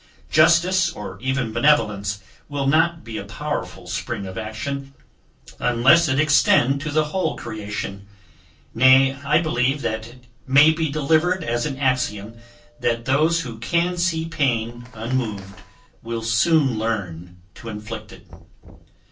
Justice, or even benevolence, will not be a powerful spring of action, unless it extend to the whole creation; nay, I believe that it may be delivered as an axiom, that those who can see pain, unmoved, will soon learn to inflict it.